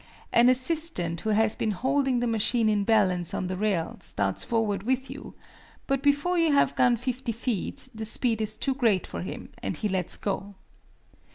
An assistant who has been holding the machine in balance on the rail starts forward with you, but before you have gone 50 feet the speed is too great for him, and he lets go.